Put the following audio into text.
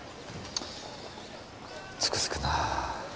つくづくな。